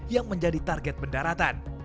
yang menjadi target mendarat